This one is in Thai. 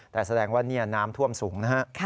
แต่แสดงว่านี่น้ำท่วมสูงนะฮะ